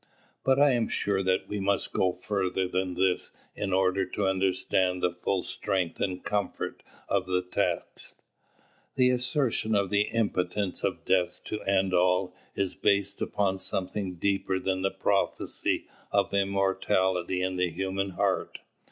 But I am sure that we must go further than this in order to understand the full strength and comfort of the text. The assertion of the impotence of death to end all is based upon something deeper than the prophecy of immortality in the human heart.